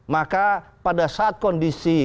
maka pada saat kondisi